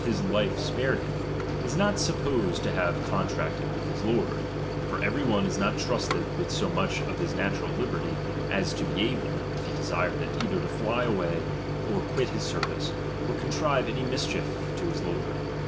his life spared hlra, is not supposed to have con tracted with his lord ; for every one is not trusted " with so much of his natural liberty, as to be able, r if he desired it, either to fly away, or quit his ser ' vice, or contrive any mischief to his lord.